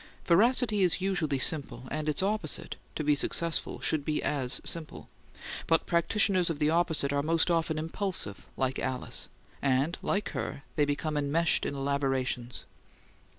Veracity is usually simple; and its opposite, to be successful, should be as simple; but practitioners of the opposite are most often impulsive, like Alice; and, like her, they become enmeshed in elaborations.